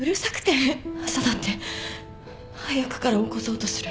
朝だって早くから起こそうとする。